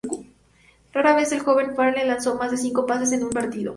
Rara vez el joven Favre lanzó más de cinco pases en un partido.